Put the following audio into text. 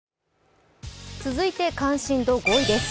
続いて関心度５位です。